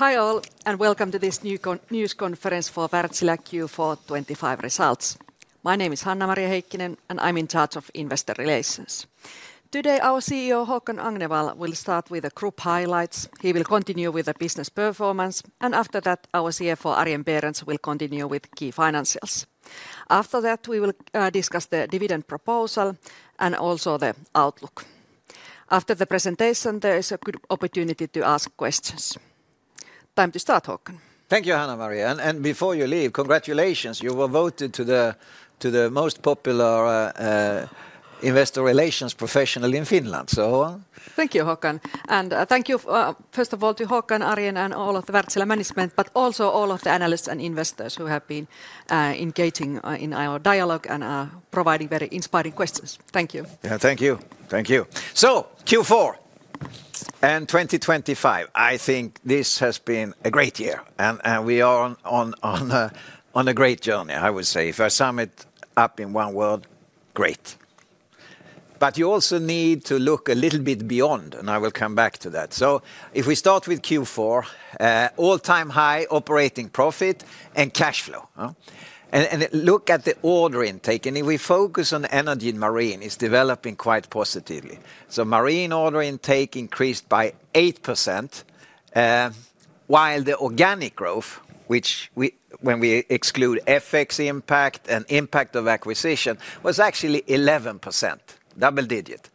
Hi all, and welcome to this news conference for Wärtsilä Q4 2025 results. My name is Hanna-Maria Heikkinen, and I'm in charge of investor relations. Today our CEO Håkan Agnevall will start with the group highlights. He will continue with the business performance, and after that our CFO Arjen Berends will continue with key financials. After that we will discuss the dividend proposal and also the outlook. After the presentation there is a good opportunity to ask questions. Time to start, Håkan. Thank you, Hanna-Maria. Before you leave, congratulations. You were voted to the most popular investor relations professional in Finland, so— Thank you, Håkan. Thank you, first of all, to Håkan, Arjen, and all of the Wärtsilä management, but also all of the analysts and investors who have been engaging in our dialogue and providing very inspiring questions. Thank you. Yeah, thank you. Thank you. So Q4 and 2025, I think this has been a great year, and we are on a great journey, I would say. If I sum it up in one word, great. But you also need to look a little bit beyond, and I will come back to that. So if we start with Q4, all-time high operating profit and cash flow. Look at the order intake. If we focus on energy and marine, it's developing quite positively. Marine order intake increased by 8%, while the organic growth, which when we exclude FX impact and impact of acquisition, was actually 11%, double digit.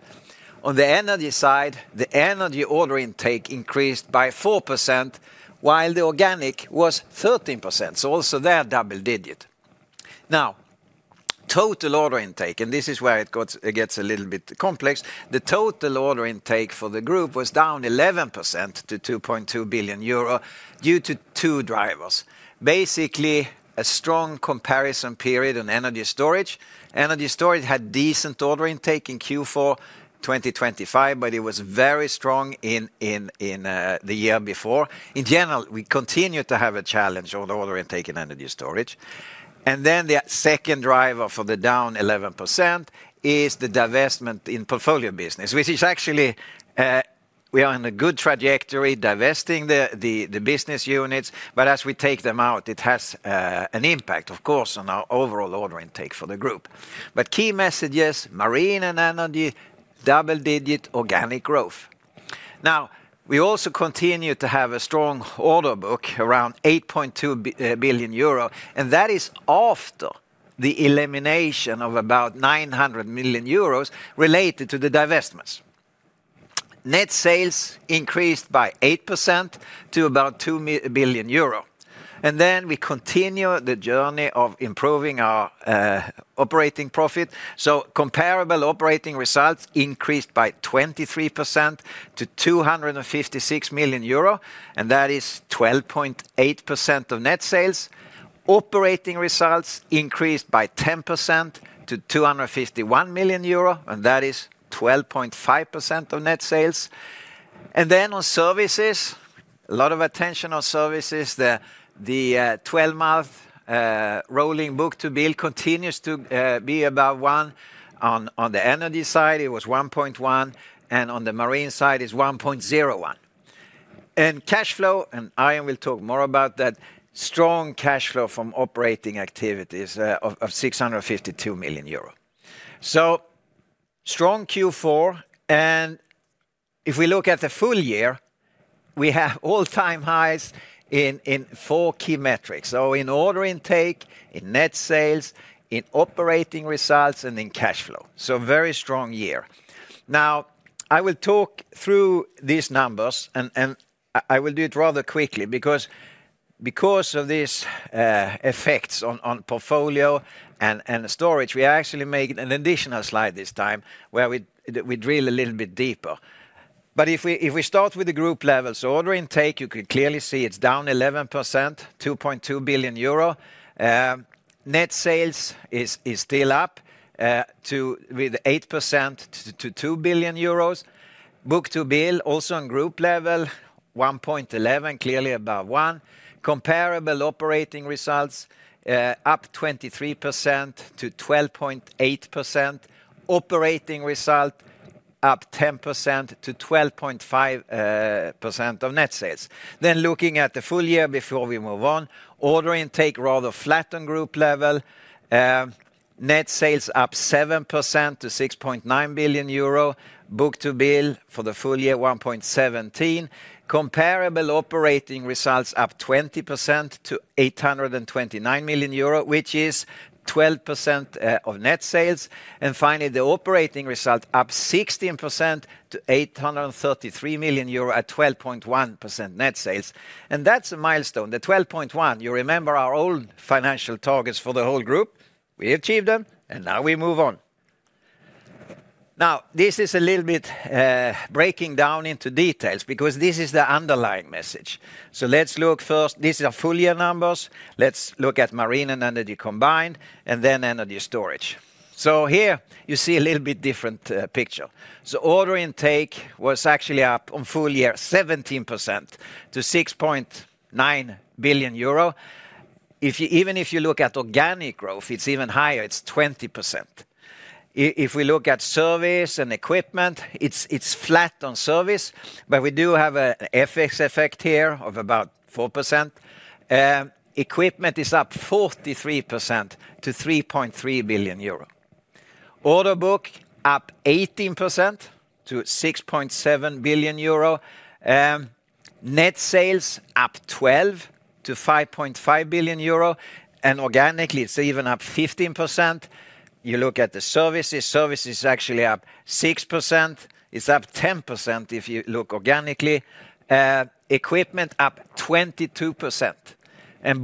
On the energy side, the energy order intake increased by 4%, while the organic was 13%. Also that double digit. Now, total order intake, and this is where it gets a little bit complex, the total order intake for the group was down 11% to 2.2 billion euro due to two drivers. Basically a strong comparison period on energy storage. Energy storage had decent order intake in Q4 2025, but it was very strong in the year before. In general, we continue to have a challenge on order intake and energy storage. And then the second driver for the down 11% is the divestment in portfolio business, which is actually we are on a good trajectory divesting the business units, but as we take them out it has an impact, of course, on our overall order intake for the group. But key messages: marine and energy, double-digit organic growth. Now, we also continue to have a strong order book around 8.2 billion euro, and that is after the elimination of about 900 million euros related to the divestments. Net sales increased by 8% to about 2 billion euro. And then we continue the journey of improving our operating profit. So comparable operating results increased by 23% to 256 million euro, and that is 12.8% of net sales. Operating results increased by 10% to 251 million euro, and that is 12.5% of net sales. And then on services, a lot of attention on services. The 12-month rolling book-to-bill continues to be above one. On the energy side it was 1.1, and on the marine side it's 1.01. And cash flow, and Arjen will talk more about that, strong cash flow from operating activities of 652 million euro. So strong Q4, and if we look at the full year, we have all-time highs in four key metrics. So in order intake, in net sales, in operating results, and in cash flow. So very strong year. Now, I will talk through these numbers, and I will do it rather quickly because of these effects on portfolio and storage, we actually make an additional slide this time where we drill a little bit deeper. But if we start with the group levels, order intake you can clearly see it's down 11%, 2.2 billion euro. Net sales is still up 8% to 2 billion euros. Book-to-bill, also on group level, 1.11, clearly above one. Comparable operating results up 23% to 12.8%. Operating result up 10% to 12.5% of net sales. Then looking at the full year before we move on, order intake rather flat on group level. Net sales up 7% to 6.9 billion euro. Book-to-bill for the full year 1.17. Comparable operating results up 20% to 829 million euro, which is 12% of net sales. And finally the operating result up 16% to 833 million euro at 12.1% net sales. And that's a milestone. The 12.1%, you remember our old financial targets for the whole group? We achieved them, and now we move on. Now, this is a little bit breaking down into details because this is the underlying message. So let's look first, these are full year numbers. Let's look at marine and energy combined, and then energy storage. So here you see a little bit different picture. So order intake was actually up on full year 17% to 6.9 billion euro. Even if you look at organic growth it's even higher, it's 20%. If we look at service and equipment, it's flat on service, but we do have an FX effect here of about 4%. Equipment is up 43% to 3.3 billion euro. Order book up 18% to 6.7 billion euro. Net sales up 12% to 5.5 billion euro. Organically it's even up 15%. You look at the services, services actually up 6%. It's up 10% if you look organically. Equipment up 22%.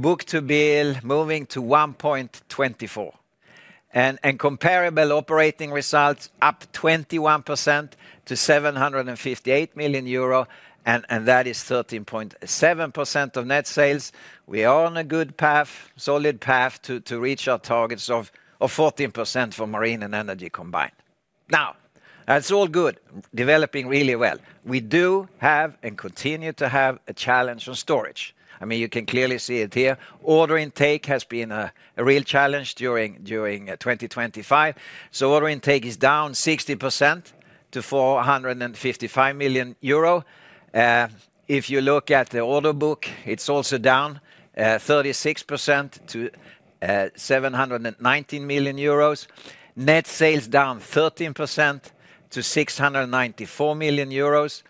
Book-to-bill moving to 1.24. Comparable operating results up 21% to 758 million euro, and that is 13.7% of net sales. We are on a good path, solid path to reach our targets of 14% for marine and energy combined. Now, that's all good, developing really well. We do have and continue to have a challenge on storage. I mean, you can clearly see it here. Order intake has been a real challenge during 2025. So order intake is down 60% to 455 million euro. If you look at the order book it's also down 36% to 719 million euros. Net sales down 13% to 694 million euros.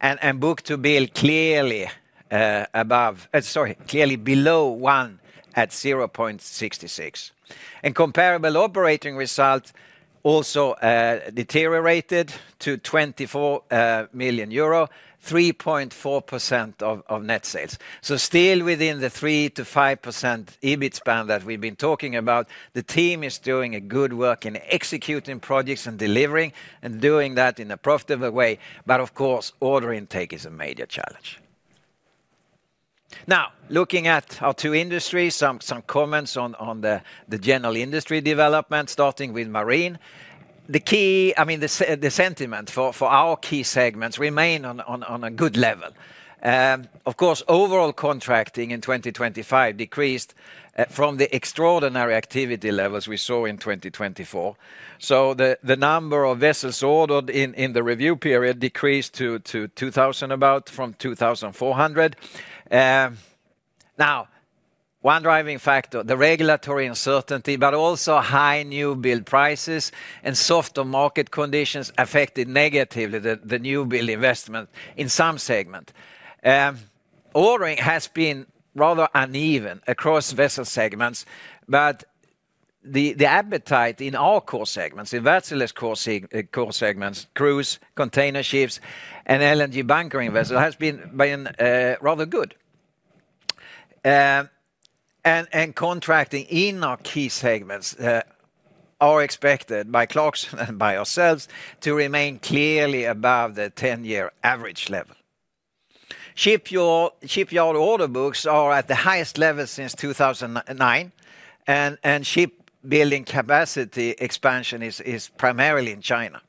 And book-to-bill clearly above, sorry, clearly below one at 0.66. And comparable operating result also deteriorated to 24 million euro, 3.4% of net sales. So still within the 3%-5% EBIT span that we've been talking about, the team is doing good work in executing projects and delivering, and doing that in a profitable way. But of course order intake is a major challenge. Now, looking at our two industries, some comments on the general industry development starting with marine. The key, I mean, the sentiment for our key segments remain on a good level. Of course overall contracting in 2025 decreased from the extraordinary activity levels we saw in 2024. So the number of vessels ordered in the review period decreased to about 2,000, from 2,400. Now, one driving factor, the regulatory uncertainty, but also high new build prices and softer market conditions affected negatively the new build investment in some segments. Ordering has been rather uneven across vessel segments, but the appetite in our core segments, in Wärtsilä's core segments, cruise, container ships, and LNG bunkering vessels has been rather good. And contracting in our key segments are expected by Clarkson and by ourselves to remain clearly above the 10-year average level. Shipyard order books are at the highest level since 2009, and shipbuilding capacity expansion is primarily in China.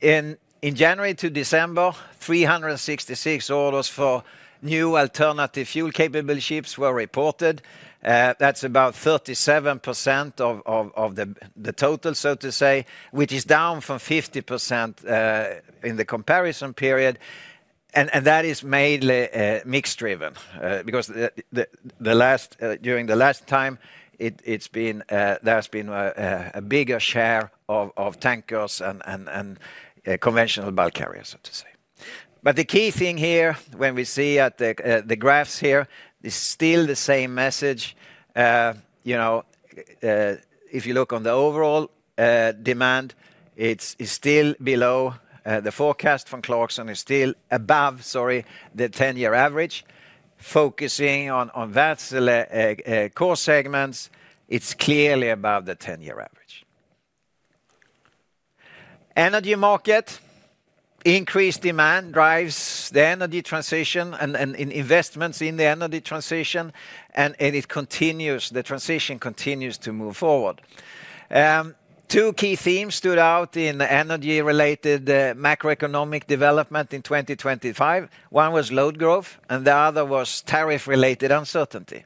In January to December, 366 orders for new alternative fuel-capable ships were reported. That's about 37% of the total, so to say, which is down from 50% in the comparison period. That is mainly mixed-driven because during the last time there has been a bigger share of tankers and conventional bulk carriers, so to say. But the key thing here when we see at the graphs here, it's still the same message. If you look on the overall demand, it's still below the forecast from Clarkson; it's still above, sorry, the 10-year average. Focusing on Wärtsilä core segments, it's clearly above the 10-year average. Energy market, increased demand drives the energy transition and investments in the energy transition, and the transition continues to move forward. Two key themes stood out in energy-related macroeconomic development in 2025. One was load growth, and the other was tariff-related uncertainty.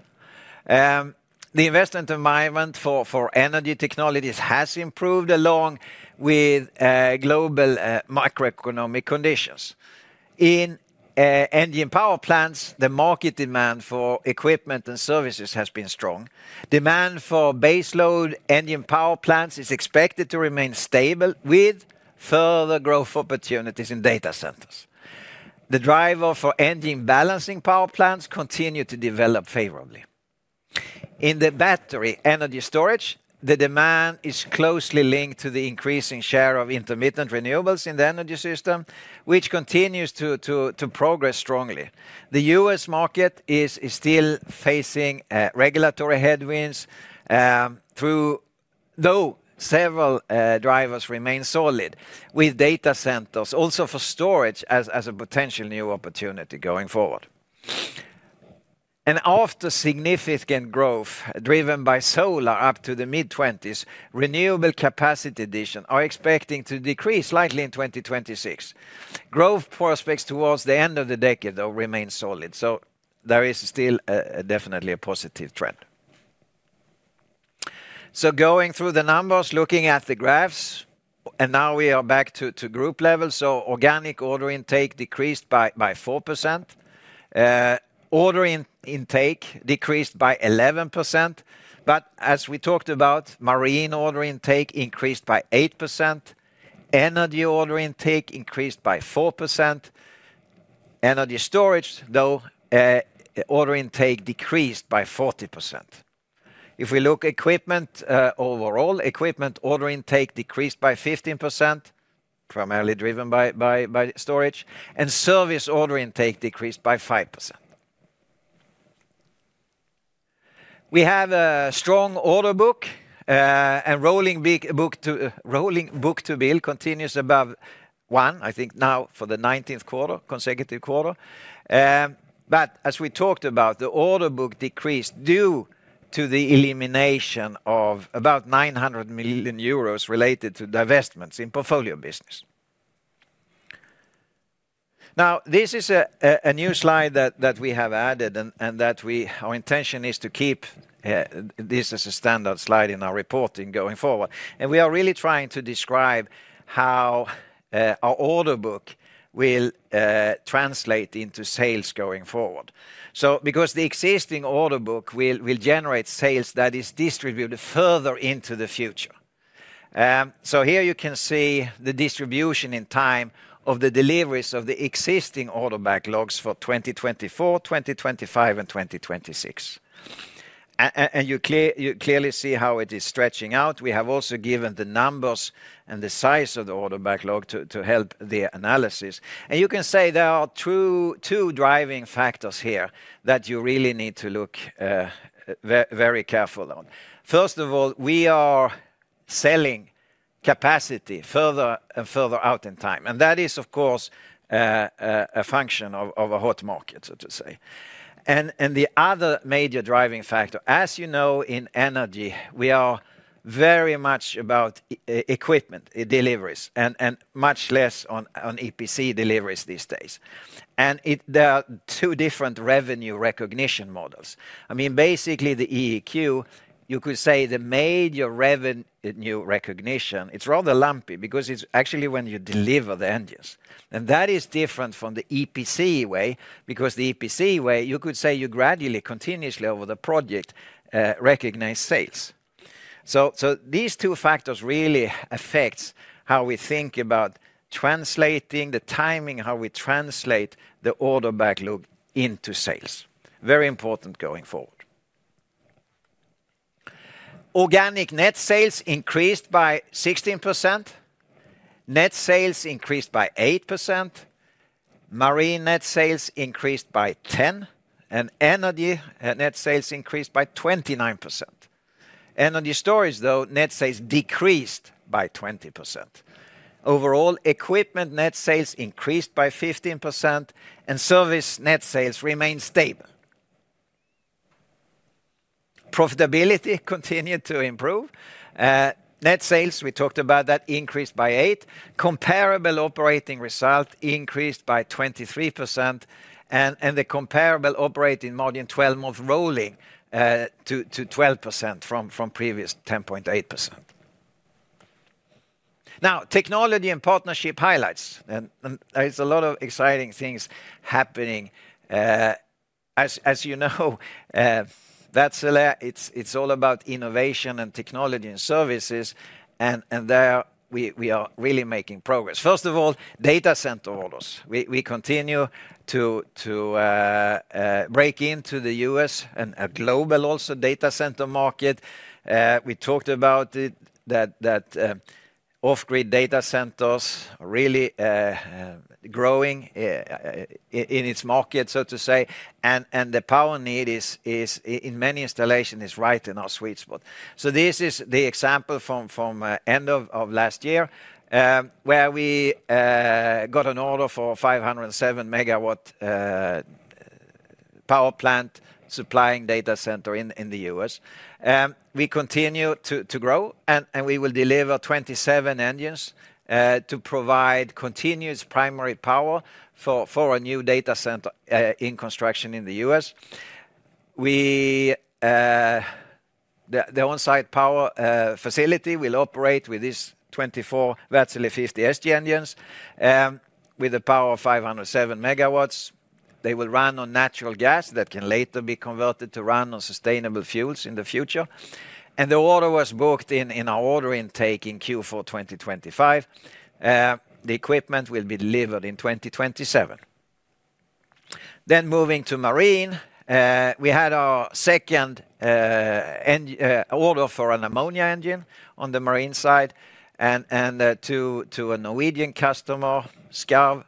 The investment environment for energy technologies has improved along with global macroeconomic conditions. In engine power plants, the market demand for equipment and services has been strong. Demand for base load engine power plants is expected to remain stable with further growth opportunities in data centers. The driver for engine balancing power plants continues to develop favorably. In the battery energy storage, the demand is closely linked to the increasing share of intermittent renewables in the energy system, which continues to progress strongly. The U.S. market is still facing regulatory headwinds, though several drivers remain solid, with data centers, also for storage as a potential new opportunity going forward. After significant growth driven by solar up to the mid-2020s, renewable capacity additions are expected to decrease slightly in 2026. Growth prospects towards the end of the decade, though, remain solid. There is still definitely a positive trend. Going through the numbers, looking at the graphs. Now we are back to group level. Organic order intake decreased by 4%. Order intake decreased by 11%. But as we talked about, marine order intake increased by 8%. Energy order intake increased by 4%. Energy storage, though, order intake decreased by 40%. If we look at equipment overall, equipment order intake decreased by 15%, primarily driven by storage. And service order intake decreased by 5%. We have a strong order book, and rolling book-to-bill continues above 1, I think now for the 19th quarter, consecutive quarter. But as we talked about, the order book decreased due to the elimination of about 900 million euros related to divestments in portfolio business. Now, this is a new slide that we have added and that our intention is to keep this as a standard slide in our reporting going forward. And we are really trying to describe how our order book will translate into sales going forward. So because the existing order book will generate sales that is distributed further into the future. So here you can see the distribution in time of the deliveries of the existing order backlogs for 2024, 2025, and 2026. You clearly see how it is stretching out. We have also given the numbers and the size of the order backlog to help the analysis. You can say there are two driving factors here that you really need to look very carefully on. First of all, we are selling capacity further and further out in time. And that is, of course, a function of a hot market, so to say. And the other major driving factor, as you know, in energy, we are very much about equipment deliveries and much less on EPC deliveries these days. And there are two different revenue recognition models. I mean, basically the EEQ, you could say the major revenue recognition, it's rather lumpy because it's actually when you deliver the engines. That is different from the EPC way because the EPC way, you could say you gradually, continuously over the project, recognize sales. So these two factors really affect how we think about translating the timing, how we translate the order backlog into sales. Very important going forward. Organic net sales increased by 16%. Net sales increased by 8%. Marine net sales increased by 10%. Energy net sales increased by 29%. Energy storage, though, net sales decreased by 20%. Overall, equipment net sales increased by 15% and service net sales remain stable. Profitability continued to improve. Net sales, we talked about that, increased by 8%. Comparable operating result increased by 23%. The comparable operating margin 12-month rolling to 12% from previous 10.8%. Now, technology and partnership highlights. There's a lot of exciting things happening. As you know, Wärtsilä, it's all about innovation and technology and services. And there we are really making progress. First of all, data center orders. We continue to break into the U.S. and a global also data center market. We talked about it, that off-grid data centers are really growing in its market, so to say. And the power need is, in many installations, right in our sweet spot. So this is the example from the end of last year where we got an order for a 507 MW power plant supplying data center in the U.S. We continue to grow and we will deliver 27 engines to provide continuous primary power for a new data center in construction in the U.S. The on-site power facility will operate with these 24 Wärtsilä 50 SG engines with a power of 507 megawatts. They will run on natural gas that can later be converted to run on sustainable fuels in the future. The order was booked in our order intake in Q4 2025. The equipment will be delivered in 2027. Moving to marine, we had our second order for an ammonia engine on the marine side and to a Norwegian customer, Skarv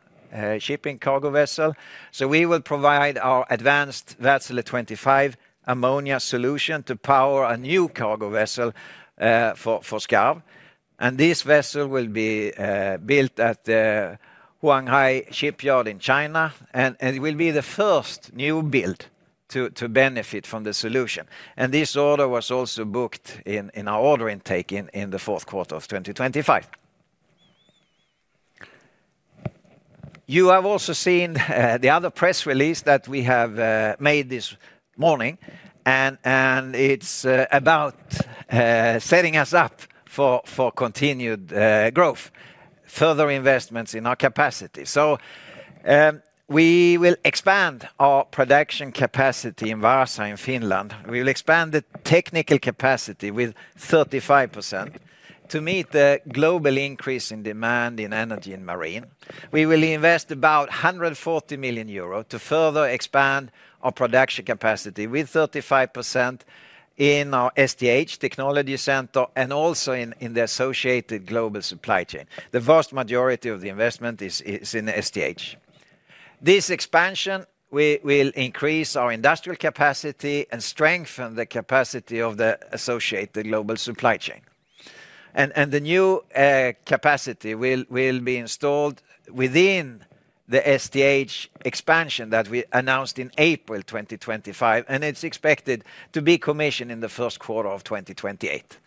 Shipping cargo vessel. We will provide our advanced Wärtsilä 25 ammonia solution to power a new cargo vessel for Skarv. This vessel will be built at Huanghai Shipyard in China. It will be the first new build to benefit from the solution. This order was also booked in our order intake in the fourth quarter of 2025. You have also seen the other press release that we have made this morning. It's about setting us up for continued growth, further investments in our capacity. We will expand our production capacity in Vaasa, in Finland. We will expand the technical capacity with 35% to meet the global increase in demand in energy in marine. We will invest about 140 million euros to further expand our production capacity with 35% in our STH technology center and also in the associated global supply chain. The vast majority of the investment is in the STH. This expansion will increase our industrial capacity and strengthen the capacity of the associated global supply chain. The new capacity will be installed within the STH expansion that we announced in April 2025. It's expected to be commissioned in the first quarter of 2028.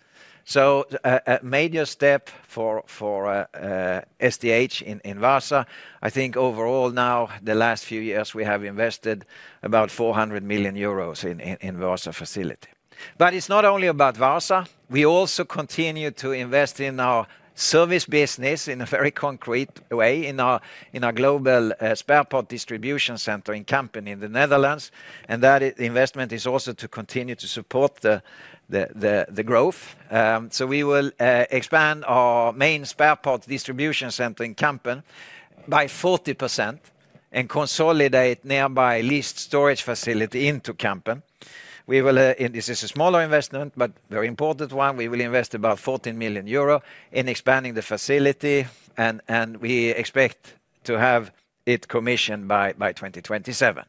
A major step for STH in Vaasa. I think overall now, the last few years, we have invested about 400 million euros in Vaasa facility. But it's not only about Vaasa. We also continue to invest in our service business in a very concrete way in our global spare part distribution center in Kampen, in the Netherlands. And that investment is also to continue to support the growth. So we will expand our main spare parts distribution center in Kampen by 40% and consolidate nearby leased storage facility into Kampen. This is a smaller investment, but very important one. We will invest about 14 million euro in expanding the facility. And we expect to have it commissioned by 2027.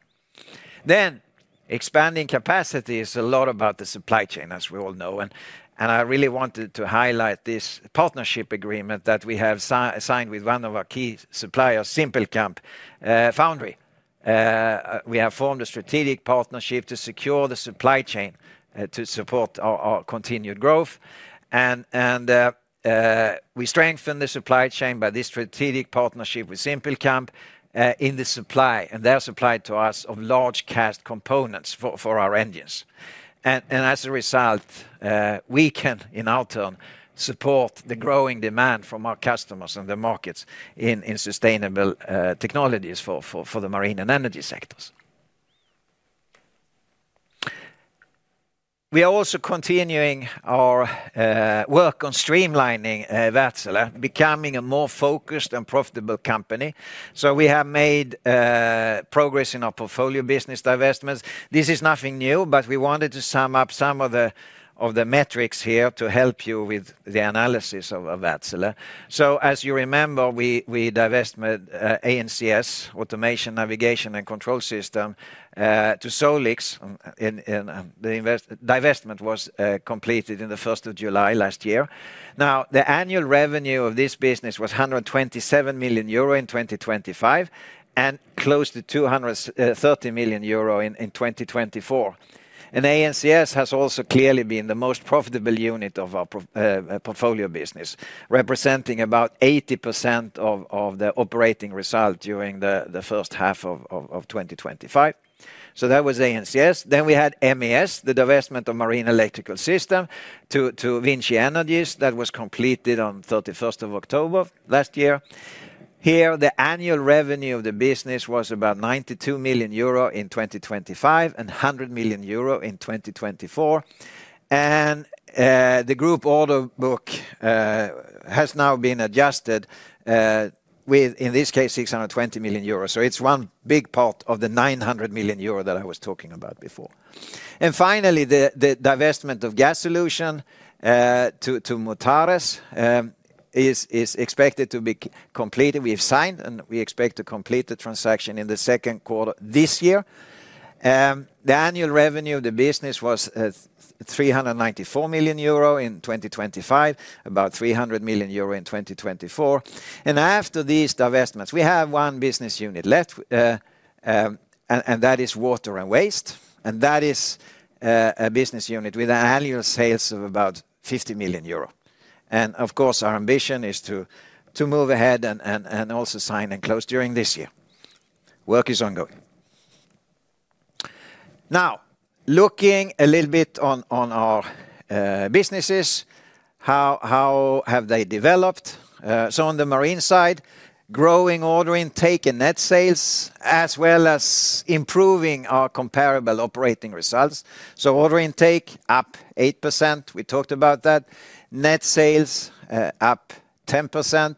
Then expanding capacity is a lot about the supply chain, as we all know. And I really wanted to highlight this partnership agreement that we have signed with one of our key suppliers, Siempelkamp Foundry. We have formed a strategic partnership to secure the supply chain to support our continued growth. We strengthen the supply chain by this strategic partnership with Siempelkamp in the supply and their supply to us of large-cast components for our engines. As a result, we can, in our turn, support the growing demand from our customers and the markets in sustainable technologies for the marine and energy sectors. We are also continuing our work on streamlining Wärtsilä, becoming a more focused and profitable company. We have made progress in our portfolio business divestments. This is nothing new, but we wanted to sum up some of the metrics here to help you with the analysis of Wärtsilä. As you remember, we divestment ANCS, Automation Navigation and Control System, to Solix. The divestment was completed on the 1st of July last year. Now, the annual revenue of this business was 127 million euro in 2025 and close to 230 million euro in 2024. And ANCS has also clearly been the most profitable unit of our portfolio business, representing about 80% of the operating result during the first half of 2025. So that was ANCS. Then we had MES, the divestment of Marine Electrical Systems, to VINCI Energies. That was completed on the 31st of October last year. Here, the annual revenue of the business was about 92 million euro in 2025 and 100 million euro in 2024. And the group order book has now been adjusted with, in this case, 620 million euros. So it's one big part of the 900 million euro that I was talking about before. And finally, the divestment of Gas Solutions to Mutares is expected to be completed. We've signed and we expect to complete the transaction in the second quarter this year. The annual revenue of the business was 394 million euro in 2025, about 300 million euro in 2024. After these divestments, we have one business unit left, and that is Water and Waste. That is a business unit with annual sales of about 50 million euro. Of course, our ambition is to move ahead and also sign and close during this year. Work is ongoing. Now, looking a little bit on our businesses, how have they developed? On the marine side, growing order intake and net sales, as well as improving our comparable operating results. Order intake up 8%. We talked about that. Net sales up 10%.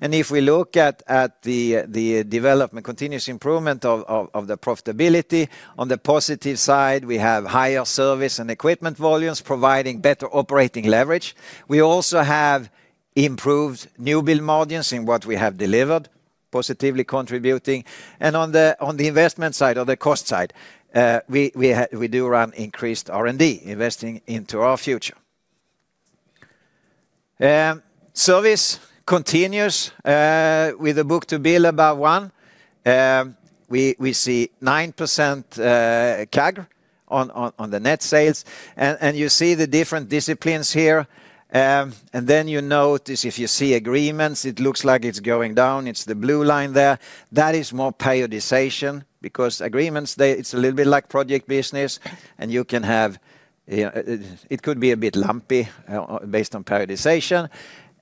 If we look at the development, continuous improvement of the profitability, on the positive side, we have higher service and equipment volumes providing better operating leverage. We also have improved new build margins in what we have delivered, positively contributing. On the investment side or the cost side, we do run increased R&D, investing into our future. Service continues with a book-to-bill about 1. We see 9% CAGR on the net sales. You see the different disciplines here. Then you notice, if you see agreements, it looks like it's going down. It's the blue line there. That is more periodization because agreements, it's a little bit like project business. You can have, it could be a bit lumpy based on periodization.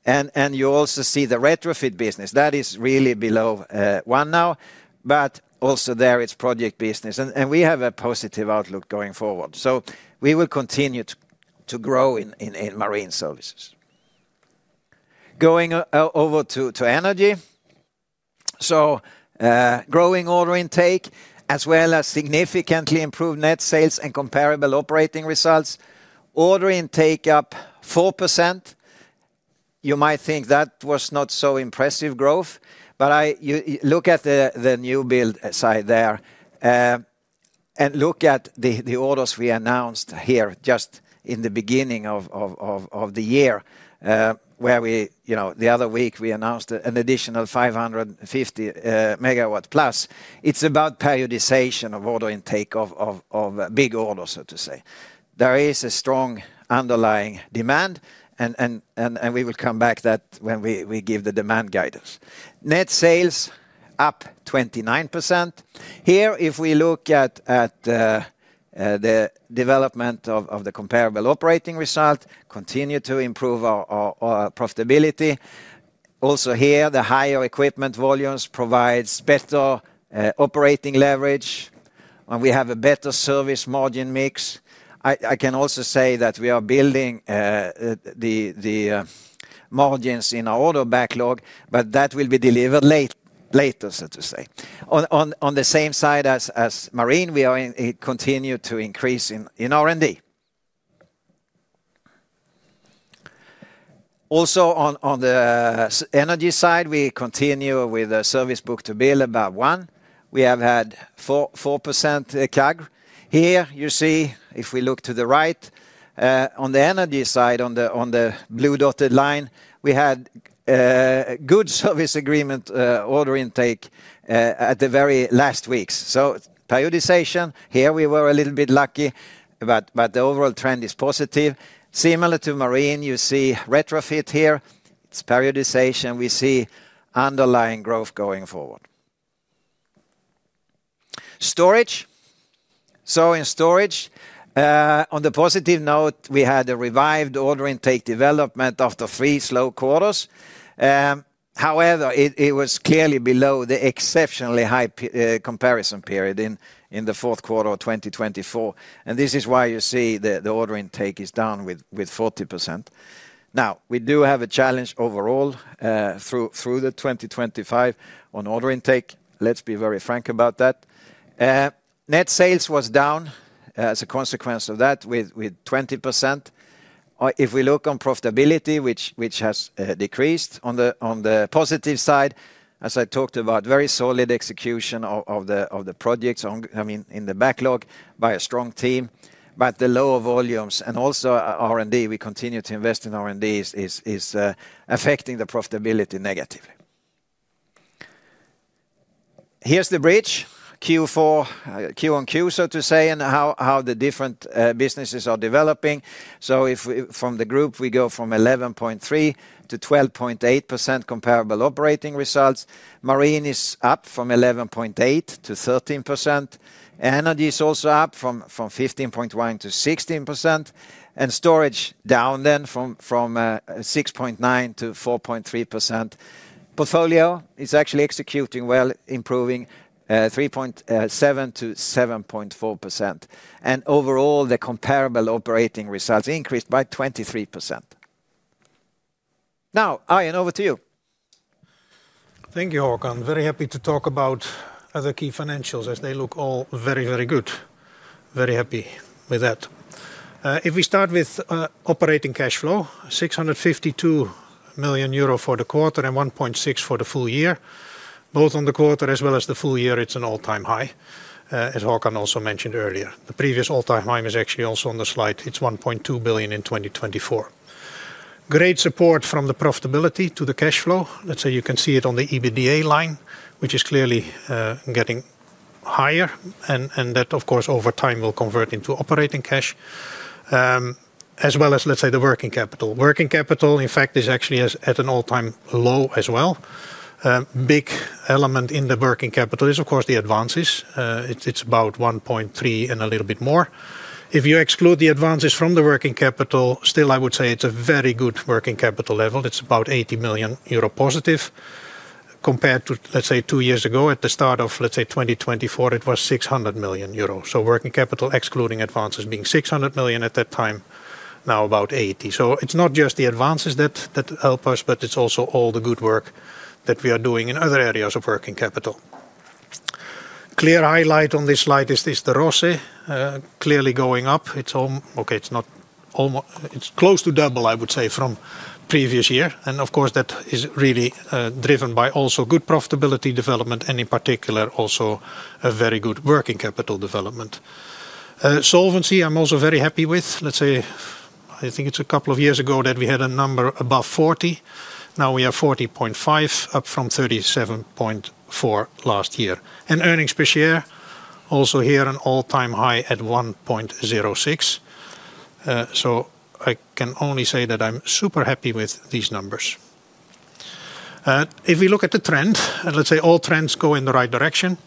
You also see the retrofit business. That is really below 1 now. Also there, it's project business. And we have a positive outlook going forward. So we will continue to grow in marine services. Going over to energy. So growing order intake, as well as significantly improved net sales and comparable operating results. Order intake up 4%. You might think that was not so impressive growth. But look at the new build side there and look at the orders we announced here just in the beginning of the year where we, the other week, we announced an additional 550 MW plus. It's about periodization of order intake of big orders, so to say. There is a strong underlying demand. And we will come back to that when we give the demand guidance. Net sales up 29%. Here, if we look at the development of the comparable operating result, continue to improve our profitability. Also here, the higher equipment volumes provide better operating leverage. We have a better service margin mix. I can also say that we are building the margins in our order backlog, but that will be delivered later, so to say. On the same side as marine, we continue to increase in R&D. Also on the energy side, we continue with the service book-to-bill about one. We have had 4% CAGR. Here, you see, if we look to the right, on the energy side, on the blue dotted line, we had good service agreement order intake at the very last weeks. So periodization, here we were a little bit lucky, but the overall trend is positive. Similar to marine, you see retrofit here. It's periodization. We see underlying growth going forward. Storage. So in storage, on the positive note, we had a revived order intake development after three slow quarters. However, it was clearly below the exceptionally high comparison period in the fourth quarter of 2024. This is why you see the order intake is down with 40%. Now, we do have a challenge overall through the 2025 on order intake. Let's be very frank about that. Net sales was down as a consequence of that with 20%. If we look on profitability, which has decreased on the positive side, as I talked about, very solid execution of the projects in the backlog by a strong team. But the low volumes and also R&D, we continue to invest in R&D, is affecting the profitability negatively. Here's the bridge, Q4, Q on Q, so to say, and how the different businesses are developing. So from the group, we go from 11.3 to 12.8% comparable operating results. Marine is up from 11.8 to 13%. Energy is also up from 15.1%-16%. And storage down then from 6.9%-4.3%. Portfolio is actually executing well, improving 3.7%-7.4%. And overall, the comparable operating results increased by 23%. Now, Arjen, over to you. Thank you, Håkan. Very happy to talk about other key financials as they look all very, very good. Very happy with that. If we start with operating cash flow, 652 million euro for the quarter and 1.6 billion for the full year. Both on the quarter as well as the full year, it's an all-time high, as Håkan also mentioned earlier. The previous all-time high was actually also on the slide. It's 1.2 billion in 2024. Great support from the profitability to the cash flow. Let's say you can see it on the EBITDA line, which is clearly getting higher. And that, of course, over time will convert into operating cash. As well as, let's say, the working capital. Working capital, in fact, is actually at an all-time low as well. Big element in the working capital is, of course, the advances. It's about 1.3 billion and a little bit more. If you exclude the advances from the working capital, still, I would say it's a very good working capital level. It's about 80 million euro positive. Compared to, let's say, two years ago, at the start of, let's say, 2024, it was 600 million euros. So working capital excluding advances being 600 million at that time, now about 80 million. So it's not just the advances that help us, but it's also all the good work that we are doing in other areas of working capital. Clear highlight on this slide is the ROCE, clearly going up. It's close to double, I would say, from previous year. Of course, that is really driven by also good profitability development and in particular also a very good working capital development. Solvency, I'm also very happy with. Let's say, I think it's a couple of years ago that we had a number above 40. Now we have 40.5, up from 37.4 last year. Earnings per share, also here an all-time high at 1.06. So I can only say that I'm super happy with these numbers. If we look at the trend, let's say all trends go in the right direction.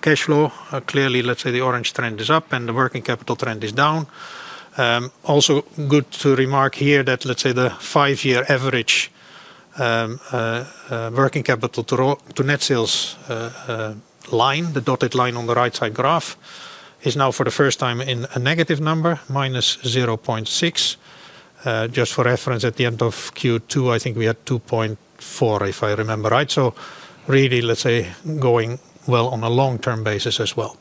Cash flow, clearly, let's say the orange trend is up and the working capital trend is down. Also good to remark here that, let's say, the five-year average working capital to net sales line, the dotted line on the right side graph, is now for the first time in a negative number, -0.6. Just for reference, at the end of Q2, I think we had 2.4, if I remember right. So really, let's say, going well on a long-term basis as well.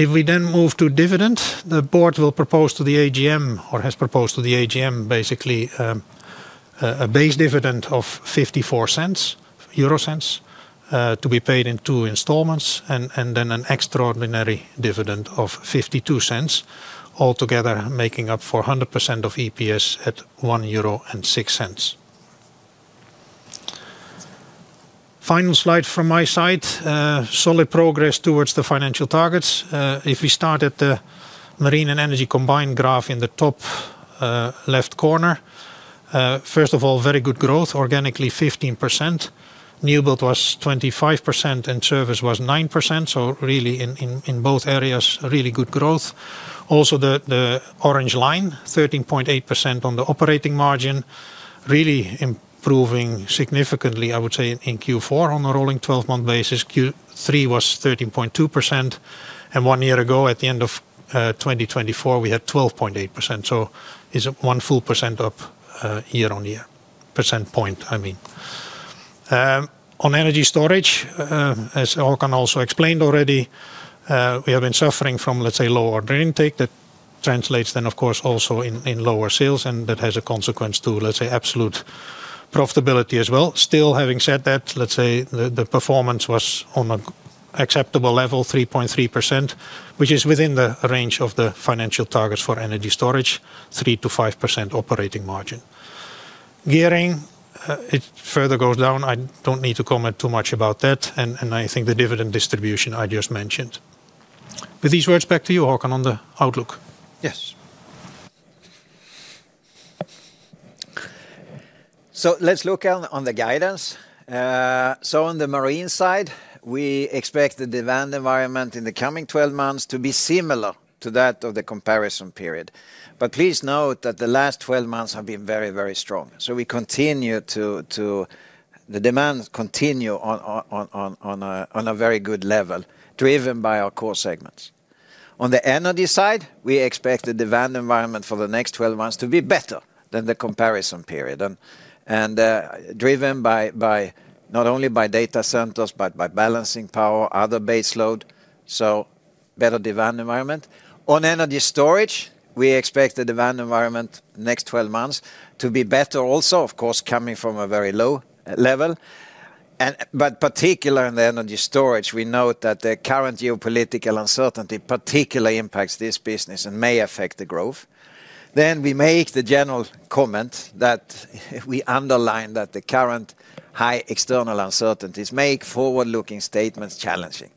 If we then move to dividend, the board will propose to the AGM, or has proposed to the AGM, basically a base dividend of 0.54 to be paid in 2 installments. And then an extraordinary dividend of 0.52, altogether making up for 100% of EPS at 1.06 euro. Final slide from my side. Solid progress towards the financial targets. If we start at the marine and energy combined graph in the top left corner. First of all, very good growth, organically 15%. New build was 25% and service was 9%. So really, in both areas, really good growth. Also the orange line, 13.8% on the operating margin. Really improving significantly, I would say, in Q4 on a rolling 12-month basis. Q3 was 13.2%. And one year ago, at the end of 2024, we had 12.8%. So it's 1 full percentage point up year-on-year, I mean. On energy storage, as Håkan also explained already, we have been suffering from, let's say, lower order intake. That translates then, of course, also in lower sales. And that has a consequence to, let's say, absolute profitability as well. Still having said that, let's say, the performance was on an acceptable level, 3.3%, which is within the range of the financial targets for energy storage, 3%-5% operating margin. Gearing, it further goes down. I don't need to comment too much about that. And I think the dividend distribution I just mentioned. With these words, back to you, Håkan, on the outlook. Yes. So let's look on the guidance. So on the marine side, we expect the demand environment in the coming 12 months to be similar to that of the comparison period. But please note that the last 12 months have been very, very strong. So the demands continue on a very good level, driven by our core segments. On the energy side, we expect the demand environment for the next 12 months to be better than the comparison period. And driven by not only data centers, but by balancing power, other base load. So better demand environment. On energy storage, we expect the demand environment next 12 months to be better also, of course, coming from a very low level. But particularly in the energy storage, we note that the current geopolitical uncertainty particularly impacts this business and may affect the growth. Then we make the general comment that we underline that the current high external uncertainties make forward-looking statements challenging.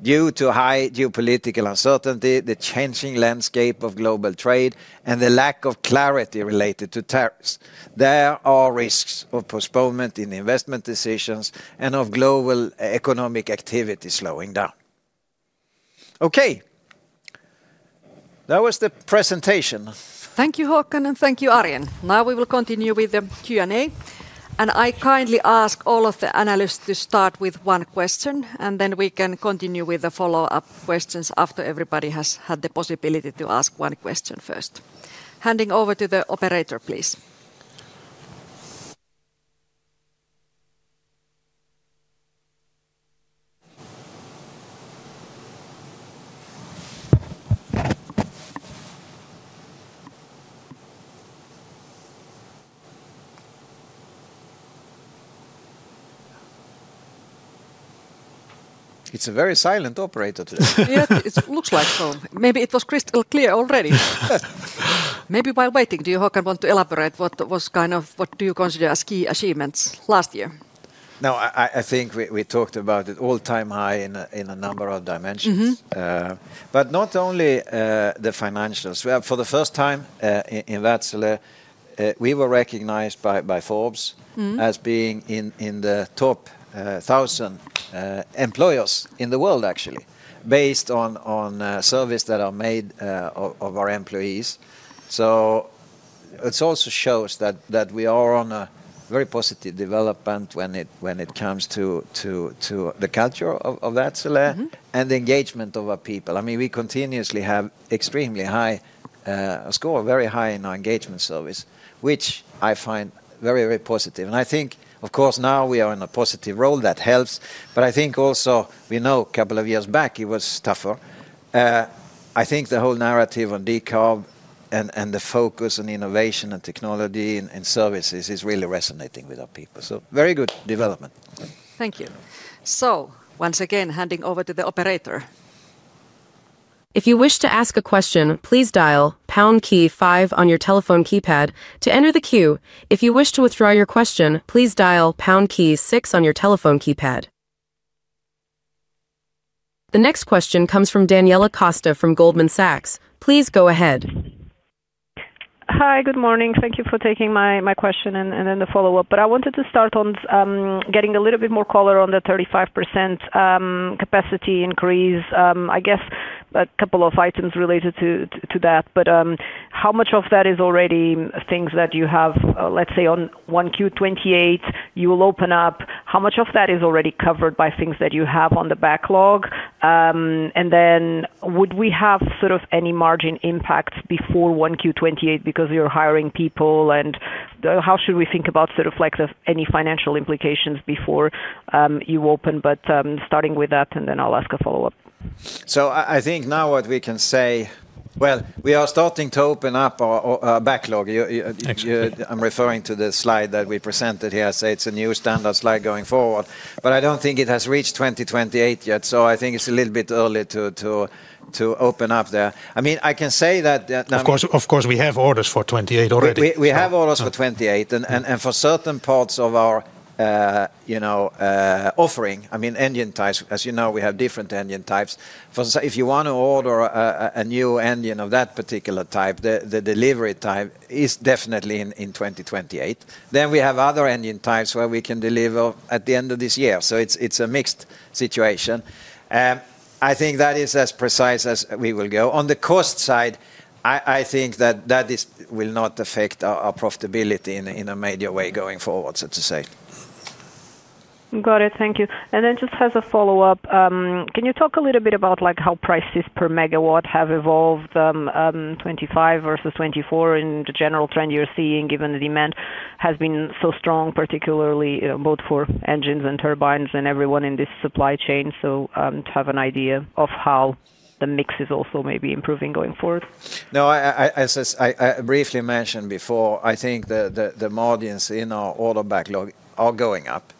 Due to high geopolitical uncertainty, the changing landscape of global trade, and the lack of clarity related to tariffs, there are risks of postponement in investment decisions and of global economic activity slowing down. Okay. That was the presentation. Thank you, Håkan, and thank you, Arjen. Now we will continue with the Q&A. I kindly ask all of the analysts to start with one question. Then we can continue with the follow-up questions after everybody has had the possibility to ask one question first. Handing over to the operator, please. It's a very silent operator today. Yeah, it looks like so. Maybe it was crystal clear already. Maybe while waiting, do you, Håkan, want to elaborate what was kind of, what do you consider as key achievements last year? No, I think we talked about it, all-time high in a number of dimensions. But not only the financials. For the first time in Wärtsilä, we were recognized by Forbes as being in the top 1,000 employers in the world, actually, based on surveys that are made of our employees. So it also shows that we are on a very positive development when it comes to the culture of Wärtsilä and the engagement of our people. I mean, we continuously have extremely high score, very high in our engagement surveys, which I find very, very positive. And I think, of course, now we are in a positive role. That helps. But I think also, we know a couple of years back it was tougher. I think the whole narrative on decarb and the focus on innovation and technology and services is really resonating with our people. So very good development. Thank you. So once again, handing over to the operator. If you wish to ask a question, please dial pound key five on your telephone keypad to enter the queue. If you wish to withdraw your question, please dial pound key six on your telephone keypad. The next question comes from Daniela Costa from Goldman Sachs. Please go ahead. Hi, good morning. Thank you for taking my question and then the follow-up. But I wanted to start on getting a little bit more color on the 35% capacity increase. I guess a couple of items related to that. But how much of that is already things that you have, let's say, on 1Q2028 you will open up. How much of that is already covered by things that you have on the backlog? And then would we have sort of any margin impacts before 1Q2028 because you're hiring people? And how should we think about sort of any financial implications before you open? But starting with that, and then I'll ask a follow-up. So I think now what we can say, well, we are starting to open up our backlog. I'm referring to the slide that we presented here. I say it's a new standard slide going forward. But I don't think it has reached 2028 yet. So I think it's a little bit early to open up there. I mean, I can say that now. Of course, we have orders for 2028 already. We have orders for 2028. And for certain parts of our offering, I mean, engine types, as you know, we have different engine types. If you want to order a new engine of that particular type, the delivery type is definitely in 2028. Then we have other engine types where we can deliver at the end of this year. So it's a mixed situation. I think that is as precise as we will go. On the cost side, I think that that will not affect our profitability in a major way going forward, so to say. Got it. Thank you. And then just as a follow-up, can you talk a little bit about how prices per megawatt have evolved, 2025 versus 2024, and the general trend you're seeing, given the demand has been so strong, particularly both for engines and turbines and everyone in this supply chain, so to have an idea of how the mix is also maybe improving going forward? No, as I briefly mentioned before, I think the margins in our order backlog are going up.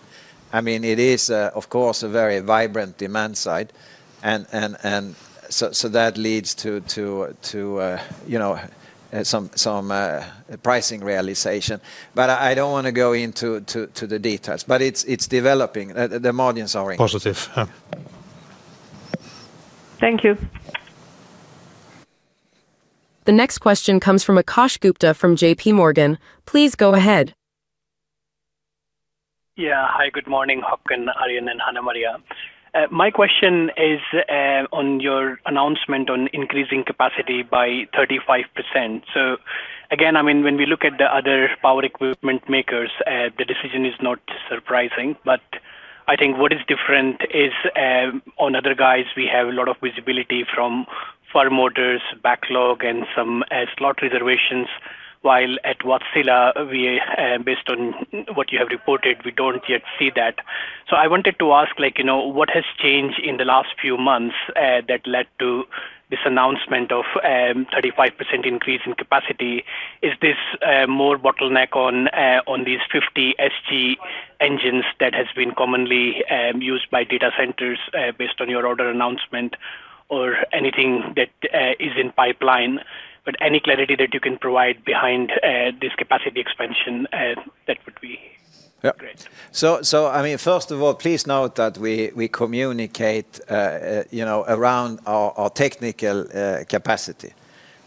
I mean, it is, of course, a very vibrant demand side. And so that leads to some pricing realization. But I don't want to go into the details. But it's developing. The margins are increasing. Positive, yeah. Thank you. The next question comes from Akash Gupta from J.P. Morgan. Please go ahead. Yeah. Hi, good morning, Håkan, Arjen, and Hanna-Maria. My question is on your announcement on increasing capacity by 35%. So again, I mean, when we look at the other power equipment makers, the decision is not surprising. But I think what is different is on other guys, we have a lot of visibility from firm orders, backlog, and some slot reservations. While at Wärtsilä, based on what you have reported, we don't yet see that. So I wanted to ask, what has changed in the last few months that led to this announcement of a 35% increase in capacity? Is this more bottleneck on these 50 SG engines that have been commonly used by data centers, based on your order announcement, or anything that is in pipeline? But any clarity that you can provide behind this capacity expansion, that would be great. So I mean, first of all, please note that we communicate around our technical capacity.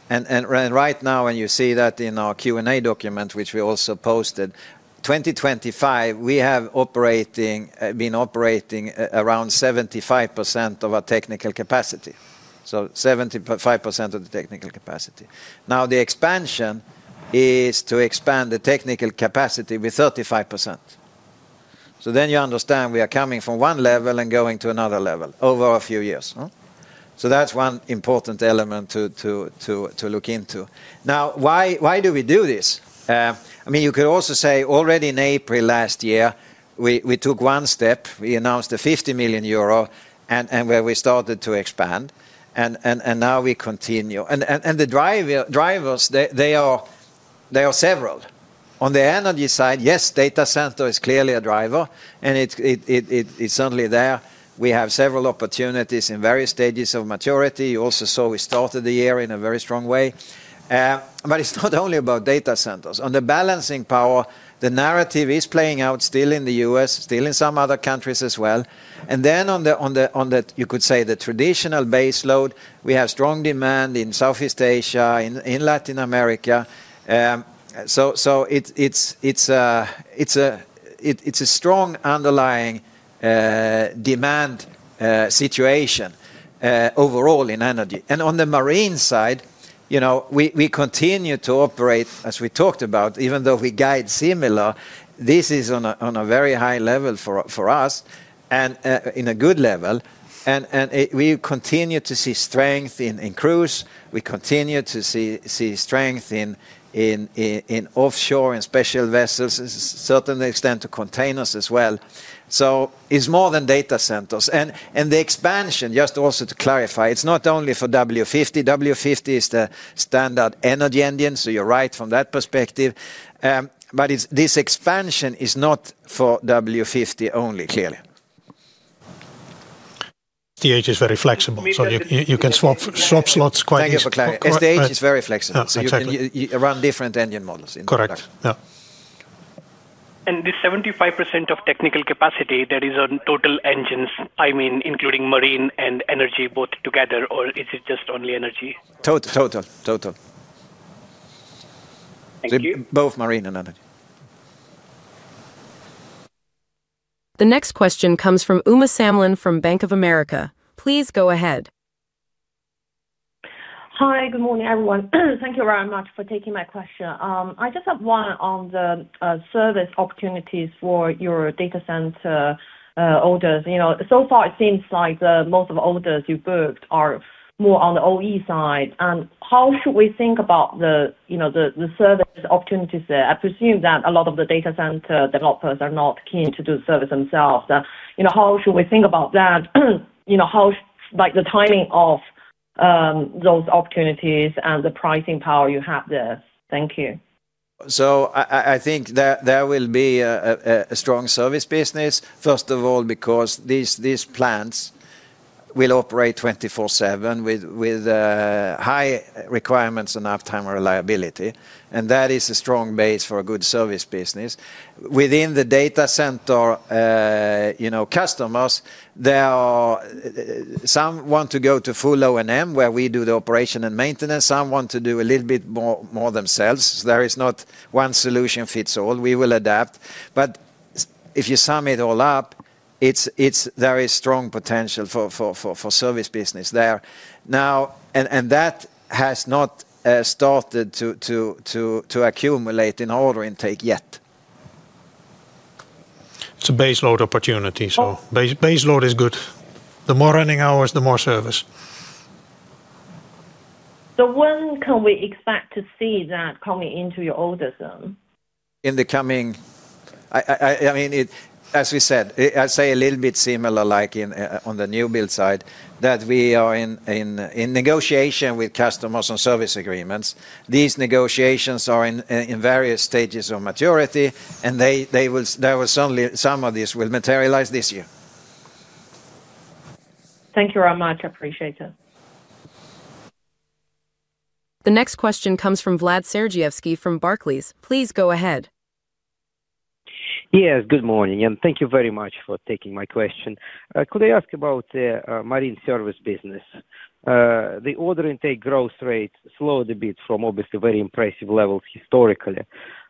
And right now, when you see that in our Q&A document, which we also posted, 2025, we have been operating around 75% of our technical capacity. So 75% of the technical capacity. Now the expansion is to expand the technical capacity with 35%. So then you understand we are coming from one level and going to another level over a few years. So that's one important element to look into. Now, why do we do this? I mean, you could also say already in April last year, we took one step. We announced the 50 million euro where we started to expand. And now we continue. And the drivers, they are several. On the energy side, yes, data center is clearly a driver. And it's certainly there. We have several opportunities in various stages of maturity. You also saw we started the year in a very strong way. But it's not only about data centers. On the balancing power, the narrative is playing out still in the U.S., still in some other countries as well. And then on the, you could say, the traditional base load, we have strong demand in Southeast Asia, in Latin America. So it's a strong underlying demand situation overall in energy. And on the marine side, we continue to operate, as we talked about, even though we guide similar. This is on a very high level for us and in a good level. We continue to see strength in cruise. We continue to see strength in offshore and special vessels, to a certain extent, to containers as well. So it's more than data centers. And the expansion, just also to clarify, it's not only for W50. W50 is the standard energy engine. So you're right from that perspective. But this expansion is not for W50 only, clearly. STH is very flexible. So you can swap slots quite easily. Thank you for clarifying. STH is very flexible. So you can run different engine models in the backlog. Correct. Yeah. This 75% of technical capacity, that is on total engines, I mean, including marine and energy both together, or is it just only energy? Total. Total. Total. Both marine and energy. The next question comes from Uma Samlin from Bank of America. Please go ahead. Hi, good morning, everyone. Thank you very much for taking my question. I just have one on the service opportunities for your data center orders. So far, it seems like most of the orders you booked are more on the OE side. And how should we think about the service opportunities there? I presume that a lot of the data center developers are not keen to do service themselves. How should we think about that? How the timing of those opportunities and the pricing power you have there? Thank you. So I think there will be a strong service business, first of all, because these plants will operate 24/7 with high requirements and uptime reliability. That is a strong base for a good service business. Within the data center customers, some want to go to full O&M where we do the operation and maintenance. Some want to do a little bit more themselves. There is not one solution fits all. We will adapt. But if you sum it all up, there is strong potential for service business there. Now, and that has not started to accumulate in order intake yet. It's a base load opportunity, so base load is good. The more running hours, the more service. So when can we expect to see that coming into your order zone? In the coming I mean, as we said, I say a little bit similar like on the new build side, that we are in negotiation with customers on service agreements. These negotiations are in various stages of maturity. And certainly, some of this will materialize this year. Thank you very much. I appreciate it. The next question comes from Vladimir Sergievski from Barclays. Please go ahead. Yes, good morning, Jan. Thank you very much for taking my question. Could I ask about the marine service business? The order intake growth rate slowed a bit from obviously very impressive levels historically.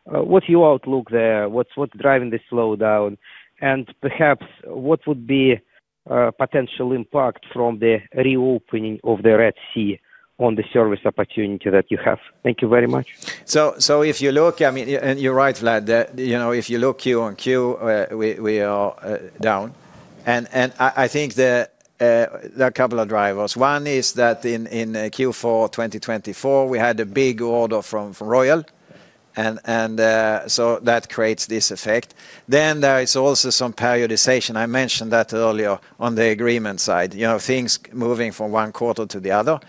What's your outlook there? What's driving the slowdown? And perhaps, what would be a potential impact from the reopening of the Red Sea on the service opportunity that you have? Thank you very much. So if you look, I mean, and you're right, Vlad, that if you look Q on Q, we are down. And I think there are a couple of drivers. One is that in Q4 2024, we had a big order from Royal. And so that creates this effect. Then there is also some periodization. I mentioned that earlier on the agreement side, things moving from one quarter to the other.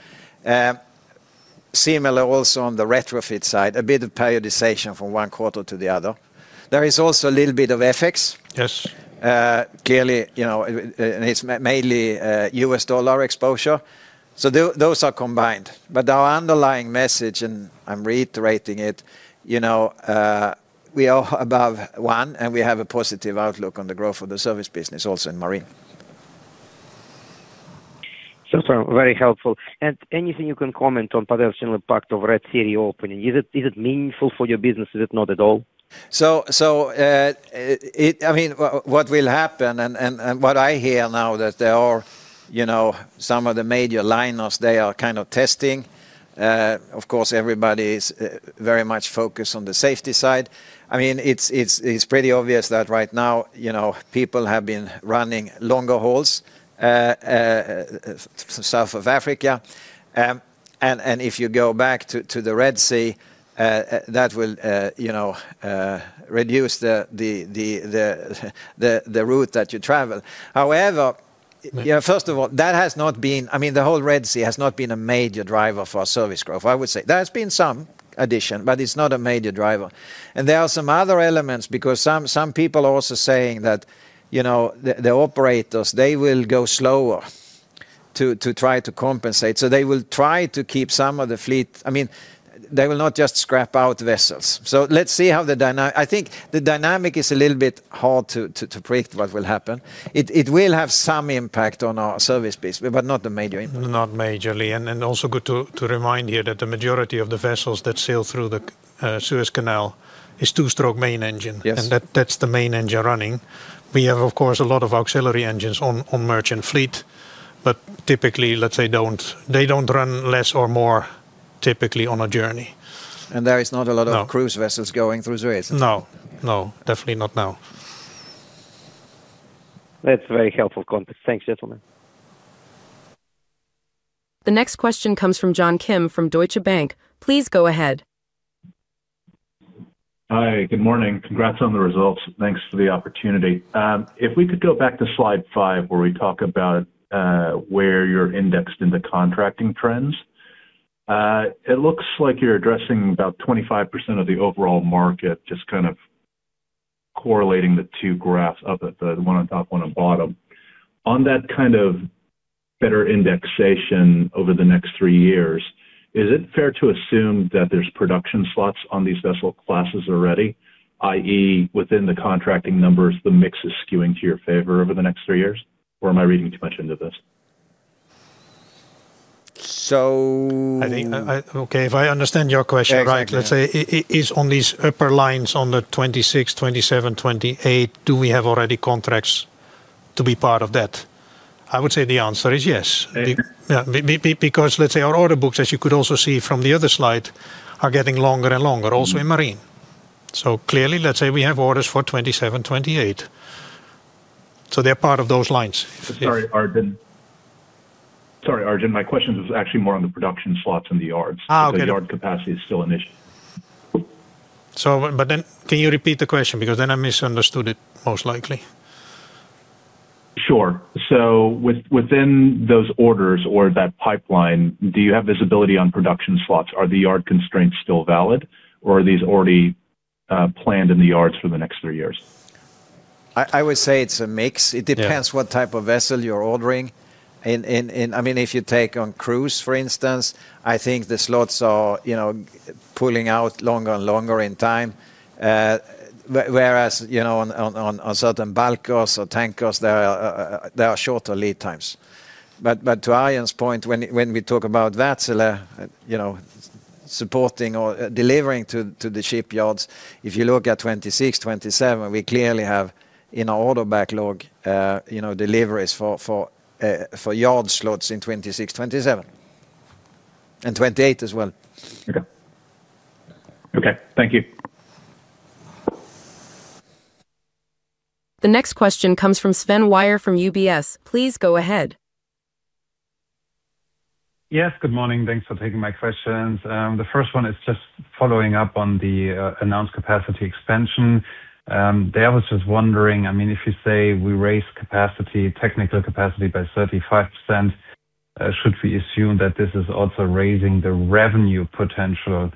Similar also on the retrofit side, a bit of periodization from one quarter to the other. There is also a little bit of FX. Clearly, it's mainly US dollar exposure. So those are combined. But our underlying message, and I'm reiterating it, we are above one, and we have a positive outlook on the growth of the service business also in marine. So far, very helpful. And anything you can comment on, potential canal impact of Red Sea reopening? Is it meaningful for your business? Is it not at all? So I mean, what will happen and what I hear now is that there are some of the major liners. They are kind of testing. Of course, everybody is very much focused on the safety side. I mean, it's pretty obvious that right now, people have been running longer hauls south of Africa. And if you go back to the Red Sea, that will reduce the route that you travel. However, first of all, that has not been. I mean, the whole Red Sea has not been a major driver for our service growth, I would say. There has been some addition, but it's not a major driver. And there are some other elements because some people are also saying that the operators, they will go slower to try to compensate. So they will try to keep some of the fleet I mean, they will not just scrap out vessels. So let's see how the I think the dynamic is a little bit hard to predict what will happen. It will have some impact on our service business, but not the major impact. Not majorly. And also good to remind here that the majority of the vessels that sail through the Suez Canal is two-stroke main engine. And that's the main engine running. We have, of course, a lot of auxiliary engines on merchant fleet. But typically, let's say, they don't run less or more typically on a journey. And there is not a lot of cruise vessels going through Suez? No. No, definitely not now. That's very helpful context. Thanks, gentlemen. The next question comes from John Kim from Deutsche Bank. Please go ahead. Hi, good morning. Congrats on the results. Thanks for the opportunity. If we could go back to slide 5 where we talk about where you're indexed in the contracting trends, it looks like you're addressing about 25% of the overall market, just kind of correlating the two graphs up at the one on top, one on bottom. On that kind of better indexation over the next three years, is it fair to assume that there's production slots on these vessel classes already, i.e., within the contracting numbers, the mix is skewing to your favor over the next three years? Or am I reading too much into this? So I think, okay, if I understand your question right, let's say, is on these upper lines on the 2026, 2027, 2028, do we have already contracts to be part of that? I would say the answer is yes. Because, let's say, our order books, as you could also see from the other slide, are getting longer and longer, also in marine. So clearly, let's say we have orders for 2027, 2028. So they're part of those lines. Sorry, Arjen. Sorry, Arjen, my question is actually more on the production slots in the yards. So the yard capacity is still an issue. But then can you repeat the question? Because then I misunderstood it, most likely. Sure. So within those orders or that pipeline, do you have visibility on production slots? Are the yard constraints still valid, or are these already planned in the yards for the next three years? I would say it's a mix. It depends what type of vessel you're ordering. I mean, if you take on cruise, for instance, I think the slots are pulling out longer and longer in time. Whereas on certain bulkers or tankers, there are shorter lead times. But to Arjen's point, when we talk about Wärtsilä supporting or delivering to the shipyards, if you look at 2026, 2027, we clearly have in our order backlog deliveries for yard slots in 2026, 2027. And 2028 as well. Okay. Thank you. The next question comes from Sven Weier from UBS. Please go ahead. Yes, good morning. Thanks for taking my questions. The first one is just following up on the announced capacity expansion. There I was just wondering, I mean, if you say we raise technical capacity by 35%, should we assume that this is also raising the revenue potential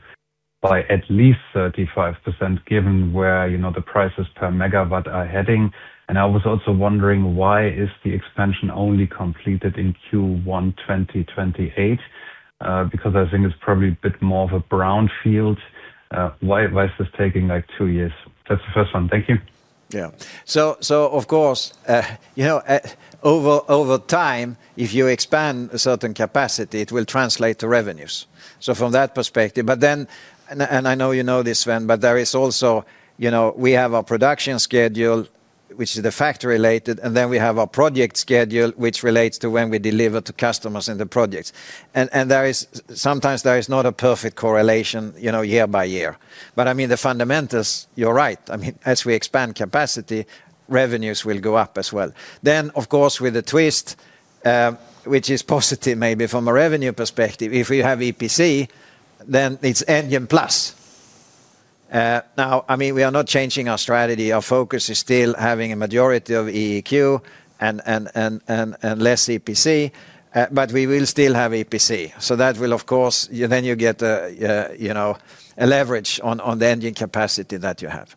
by at least 35% given where the prices per megawatt are heading? And I was also wondering, why is the expansion only completed in Q1 2028? Because I think it's probably a bit more of a brownfield. Why is this taking like 2 years? That's the first one. Thank you. Yeah. So of course, over time, if you expand a certain capacity, it will translate to revenues. So from that perspective but then and I know you know this, Sven, but there is also we have our production schedule, which is the factory-related, and then we have our project schedule, which relates to when we deliver to customers in the projects. And sometimes there is not a perfect correlation year by year. But I mean, the fundamentals, you're right. I mean, as we expand capacity, revenues will go up as well. Then, of course, with a twist, which is positive maybe from a revenue perspective, if we have EPC, then it's engine plus. Now, I mean, we are not changing our strategy. Our focus is still having a majority of EEQ and less EPC. But we will still have EPC. So that will, of course, then you get a leverage on the engine capacity that you have.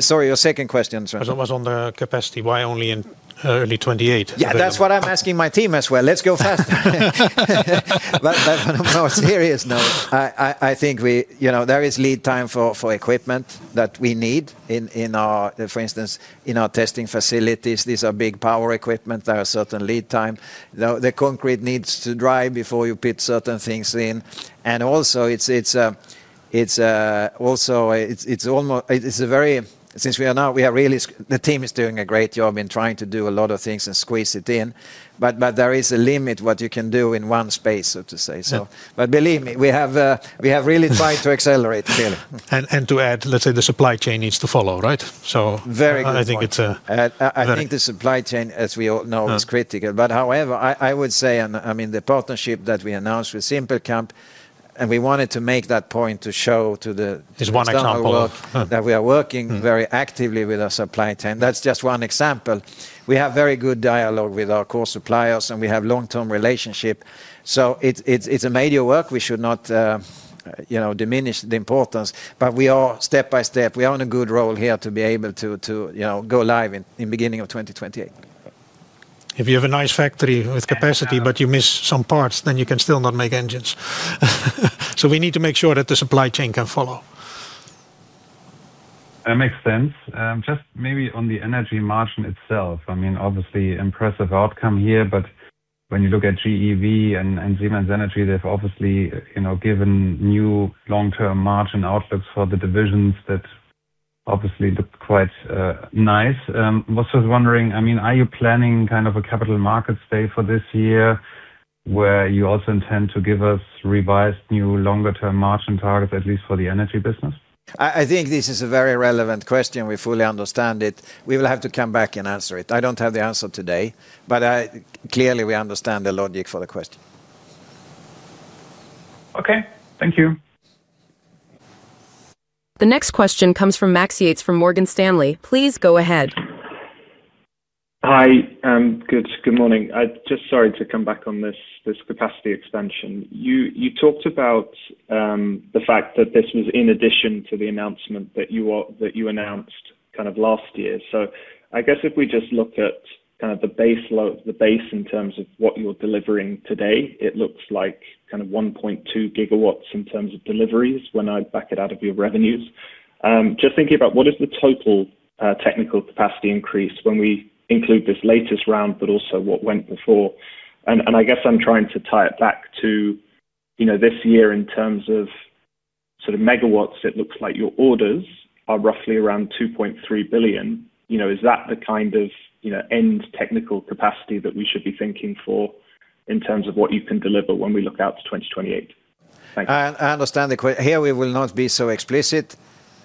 Sorry, your second question, Sven. I was almost on the capacity. Why only in early 2028? Yeah, that's what I'm asking my team as well. Let's go faster. But on a more serious note, I think there is lead time for equipment that we need in our, for instance, in our testing facilities. These are big power equipment. There are certain lead time. The concrete needs to dry before you put certain things in. And also, it's also a very—since we are now, we are really the team is doing a great job in trying to do a lot of things and squeeze it in. But there is a limit what you can do in one space, so to say. But believe me, we have really tried to accelerate, clearly. And to add, let's say the supply chain needs to follow, right? So I think it's a very good point. I think the supply chain, as we all know, is critical. But however, I would say, I mean, the partnership that we announced with Siempelkamp, and we wanted to make that point to show to the staff that we are working very actively with our supply chain. That's just one example. We have very good dialogue with our core suppliers, and we have a long-term relationship. So it's a major work. We should not diminish the importance. But we are step by step. We are in a good role here to be able to go live in the beginning of 2028. If you have a nice factory with capacity, but you miss some parts, then you can still not make engines. So we need to make sure that the supply chain can follow. That makes sense. Just maybe on the energy margin itself. I mean, obviously, impressive outcome here. But when you look at GE Vernova and Siemens Energy, they've obviously given new long-term margin outlooks for the divisions that obviously look quite nice. I was just wondering, I mean, are you planning kind of a capital markets day for this year where you also intend to give us revised new longer-term margin targets, at least for the energy business? I think this is a very relevant question. We fully understand it. We will have to come back and answer it. I don't have the answer today. But clearly, we understand the logic for the question. Okay. Thank you. The next question comes from Max Yates from Morgan Stanley. Please go ahead. Hi. Good morning. Just sorry to come back on this capacity expansion. You talked about the fact that this was in addition to the announcement that you announced kind of last year. So I guess if we just look at kind of the base in terms of what you're delivering today, it looks like kind of 1.2 GW in terms of deliveries when I back it out of your revenues. Just thinking about what is the total technical capacity increase when we include this latest round, but also what went before? And I guess I'm trying to tie it back to this year in terms of sort of MW. It looks like your orders are roughly around 2.3 billion. Is that the kind of end technical capacity that we should be thinking for in terms of what you can deliver when we look out to 2028? Thank you. I understand the question. Here, we will not be so explicit.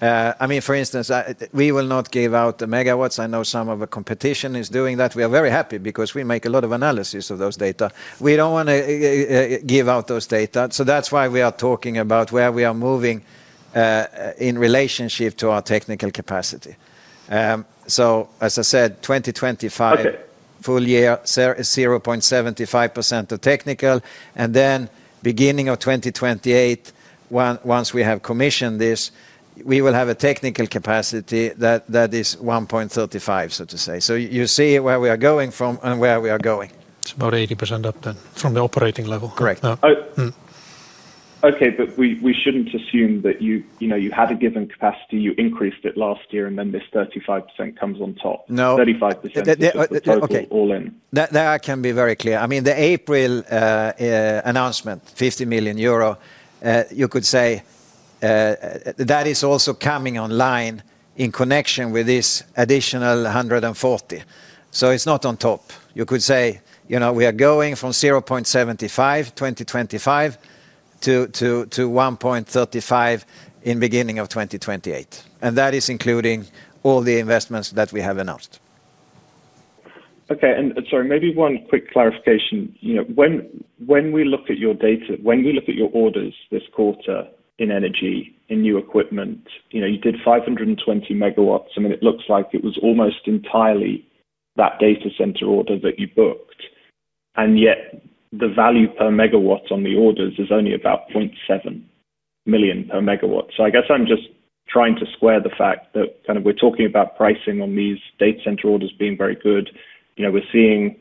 I mean, for instance, we will not give out the megawatts. I know some of the competition is doing that. We are very happy because we make a lot of analysis of those data. We don't want to give out those data. So that's why we are talking about where we are moving in relationship to our technical capacity. So as I said, 2025, full year, 0.75 GW of technical. And then beginning of 2028, once we have commissioned this, we will have a technical capacity that is 1.35, so to say. So you see where we are going from and where we are going. It's about 80% up then from the operating level. Correct. Okay, but we shouldn't assume that you had a given capacity, you increased it last year, and then this 35% comes on top. No. 35%. Okay. All in. There I can be very clear. I mean, the April announcement, 50 million euro, you could say that is also coming online in connection with this additional 140 million. So it's not on top. You could say we are going from 0.75 in 2025 to 1.35 at the beginning of 2028. And that is including all the investments that we have announced. Okay. And sorry, maybe one quick clarification. When we look at your data, when we look at your orders this quarter in energy, in new equipment, you did 520 megawatts. I mean, it looks like it was almost entirely that data center order that you booked. And yet, the value per megawatt on the orders is only about 0.7 million per megawatt. So I guess I'm just trying to square the fact that kind of we're talking about pricing on these data center orders being very good. We're seeing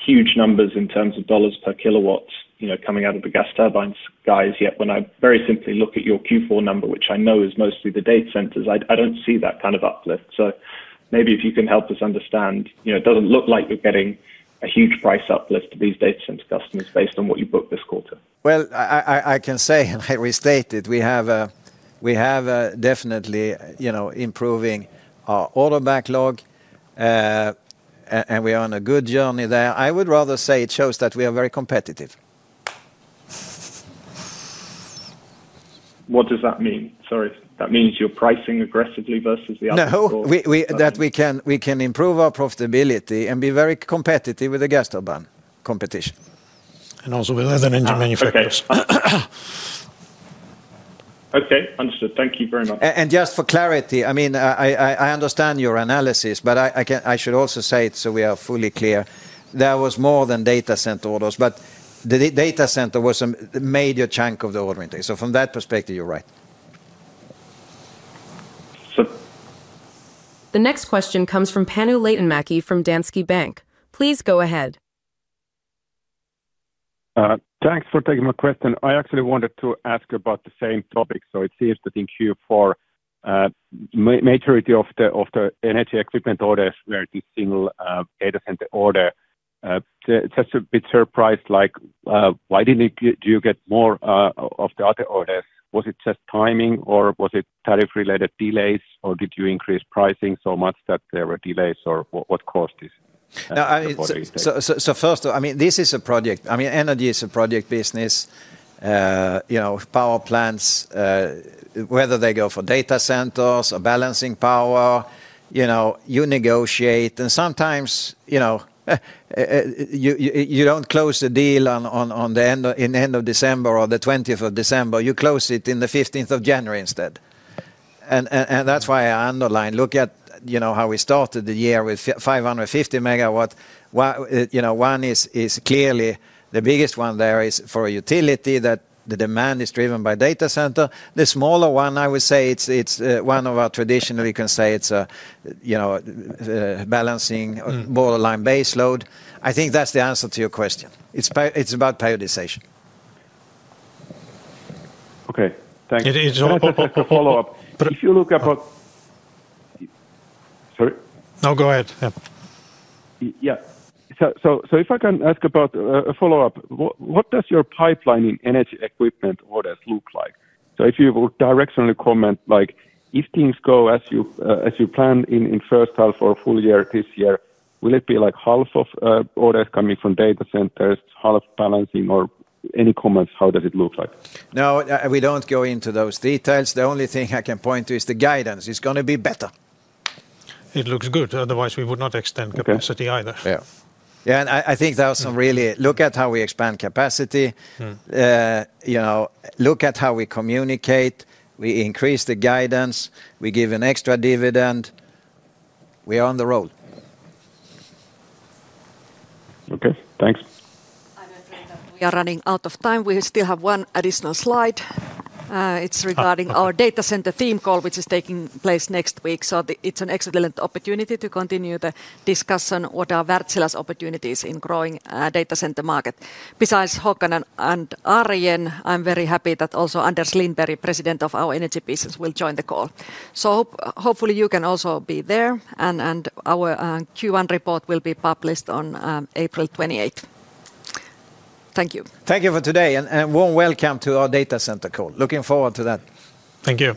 huge numbers in terms of dollars per kilowatts coming out of the gas turbine guys. Yet when I very simply look at your Q4 number, which I know is mostly the data centers, I don't see that kind of uplift. So maybe if you can help us understand, it doesn't look like you're getting a huge price uplift to these data center customers based on what you booked this quarter. Well, I can say, and I restate it, we have definitely improving our order backlog. And we are on a good journey there. I would rather say it shows that we are very competitive. What does that mean? Sorry. That means you're pricing aggressively versus the other quarter? No, that we can improve our profitability and be very competitive with the gas turbine competition. And also with other engine manufacturers. Okay. Understood. Thank you very much. And just for clarity, I mean, I understand your analysis, but I should also say it so we are fully clear. There was more than data center orders. But the data center was a major chunk of the order intake. So from that perspective, you're right. The next question comes from Panu Laitinmäki from Danske Bank. Please go ahead. Thanks for taking my question. I actually wanted to ask about the same topic. So it seems that in Q4, majority of the energy equipment orders were the single data center order. Just a bit surprised, why didn't you get more of the other orders? Was it just timing, or was it tariff-related delays, or did you increase pricing so much that there were delays, or what caused this? So first, I mean, this is a project. I mean, energy is a project business. Power plants, whether they go for data centers or balancing power, you negotiate. And sometimes you don't close the deal in the end of December or the 20th of December. You close it in the 15th of January instead. And that's why I underline, look at how we started the year with 550 MW. One is clearly the biggest one there is for utility, that the demand is driven by data center. The smaller one, I would say it's one of our traditionally you can say it's a balancing borderline base load. I think that's the answer to your question. It's about periodization. Okay. Thank you. It's all a follow-up. No, go ahead. Yeah. Yeah. So if I can ask about a follow-up, what does your pipeline in energy equipment orders look like? So if you would directionally comment, if things go as you plan in first half or full year this year, will it be half of orders coming from data centers, half balancing, or any comments, how does it look like? No, we don't go into those details. The only thing I can point to is the guidance. It's going to be better. It looks good. Otherwise, we would not extend capacity either. Yeah. And I think there are some really look at how we expand capacity. Look at how we communicate. We increase the guidance. We give an extra dividend. We are on the road. Okay. Thanks. I'm afraid that we are running out of time. We still have one additional slide. It's regarding our data center theme call, which is taking place next week. So it's an excellent opportunity to continue the discussion, what are Wärtsilä's opportunities in growing data center market. Besides Håkan and Arjen, I'm very happy that also Anders Lindberg, president of our energy business, will join the call. So hopefully, you can also be there. And our Q1 report will be published on April 28th. Thank you. Thank you for today. And warm welcome to our data center call. Looking forward to that. Thank you.